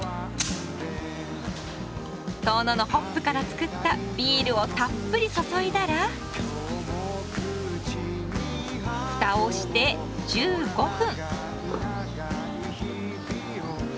遠野のホップからつくったビールをたっぷり注いだら蓋をして１５分。